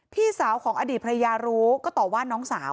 พี่สาวของอดีตภรรยารู้ก็ต่อว่าน้องสาว